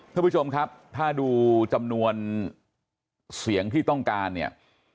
ท่านผู้ชมครับถ้าดูจำนวนเสียงที่ต้องการเนี่ย